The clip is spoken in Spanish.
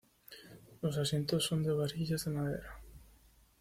Los asientos son de varillas de madera.